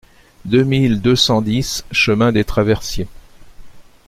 deux mille deux cent dix chemin des Traversiers